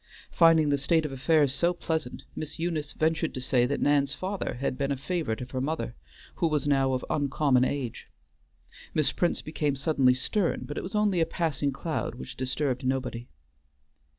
Finding the state of affairs so pleasant, Miss Eunice ventured to say that Nan's father had been a favorite of her mother, who was now of uncommon age. Miss Prince became suddenly stern, but it was only a passing cloud, which disturbed nobody.